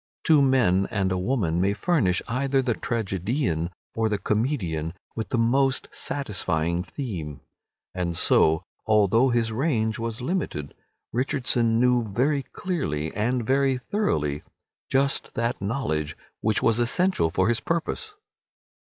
Two men and a woman may furnish either the tragedian or the comedian with the most satisfying theme. And so, although his range was limited, Richardson knew very clearly and very thoroughly just that knowledge which was essential for his purpose.